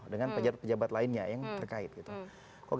dengan pejabat pejabat lainnya yang terkait gitu